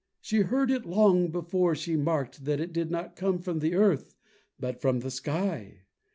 She heard it long before she marked that it did not come from the earth, but from the sky.